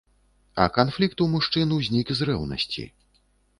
А канфлікт у мужчын узнік з рэўнасці.